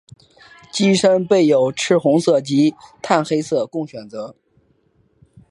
机身备有赤红色及碳黑色供选择。